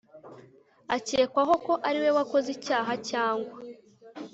akekwaho ko ari we wakoze icyaha cyangwa